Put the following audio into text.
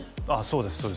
そうです